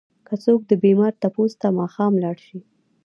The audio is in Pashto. که څوک د بيمار تپوس ته ماښام لاړ شي؛